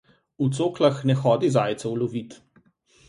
V coklah ne hodi zajcev lovit!